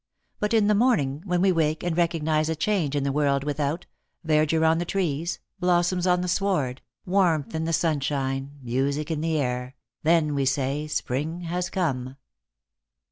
But in the morning, when we wake and recognize a change in the world without, verdure on the trees, blossoms on the sward, warmth in the sunshine, music in the air, then we say Spring has come